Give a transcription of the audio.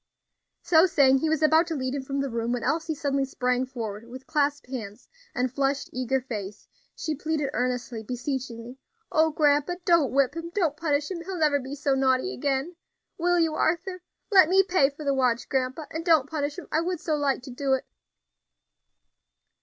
So saying, he was about to lead him from the room, when Elsie suddenly sprang forward, and with clasped hands, and flushed, eager face, she pleaded earnestly, beseechingly, "O grandpa! don't whip him, don't punish him! He will never be so naughty again. Will you, Arthur? Let me pay for the watch, grandpa, and don't punish him. I would so like to do it."